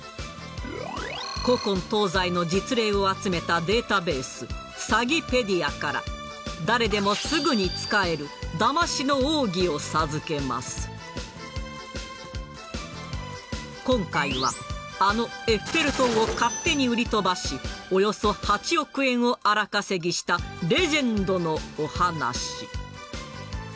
古今東西の実例を集めたデータベース「サギペディア」から誰でもすぐに使える今回はあのエッフェル塔を勝手に売り飛ばしおよそ８億円を荒稼ぎしたレジェンドのお話。